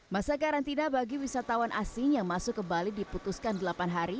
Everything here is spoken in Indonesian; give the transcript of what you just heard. masa karantina bagi wisatawan asing yang masuk ke bali diputuskan delapan hari